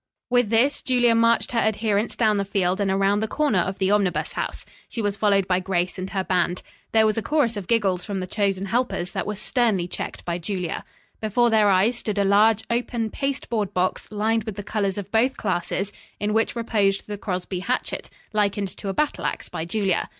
With this Julia marched her adherents down the field and around the corner of the Omnibus House. She was followed by Grace and her band. There was a chorus of giggles from the chosen helpers that was sternly checked by Julia. Before their eyes stood a large, open paste board box lined with the colors of both classes, in which reposed the Crosby hatchet, likened to a battle ax by Julia.